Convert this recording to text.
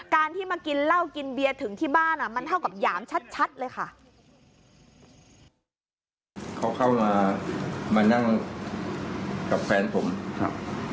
การที่มากินเหล้ากินเบียร์ถึงที่บ้านอ่ะมันเท่ากับหยามชัดชัดเลยค่ะ